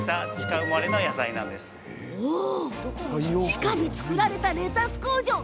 地下に造られたレタス工場。